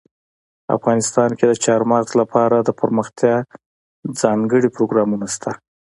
افغانستان کې د چار مغز لپاره دپرمختیا ځانګړي پروګرامونه شته.